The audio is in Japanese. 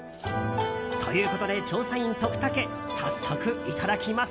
ということで、調査員トクタケ早速いただきます。